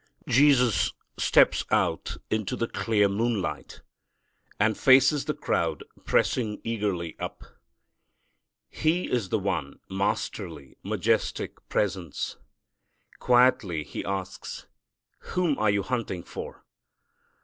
Jesus steps out into the clear moonlight, and faces the crowd pressing eagerly up. His is the one masterly, majestic presence. Quietly He asks, "Whom are you hunting for?"